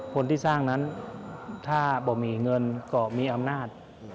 คนที่สร้างนั้นถ้าบ่มีเงินก็มีอำนาจ